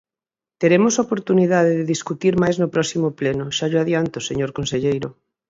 Teremos oportunidade de discutir máis no próximo pleno, xa llo adianto, señor conselleiro.